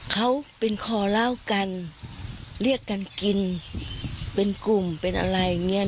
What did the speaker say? เขาเป็นคอเล่ากันเรียกกันกินเป็นกลุ่มเป็นอะไรอย่างเงี้ย